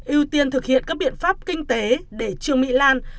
ưu tiên thực hiện các biện pháp kinh tế để trương mỹ lan